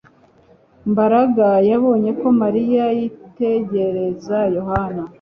Mbaraga yabonye ko Mariya yitegereza Yohana